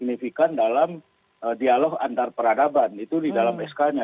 signifikan dalam dialog antar peradaban itu di dalam sk nya